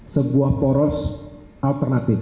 sebuah poros alternatif